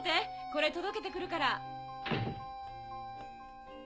これ届けて来るから。